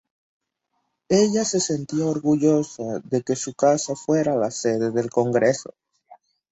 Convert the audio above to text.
Ella se sentía orgullosa de que su casa fuera la sede del Congreso.